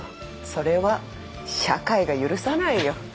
それは社会が許さないよ。